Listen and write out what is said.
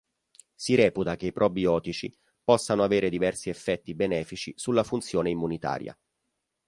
Si reputa che i probiotici possano avere diversi effetti benefici sulla funzione immunitaria.